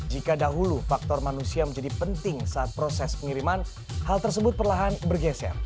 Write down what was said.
jika dahulu faktor manusia menjadi penting saat proses pengiriman hal tersebut perlahan bergeser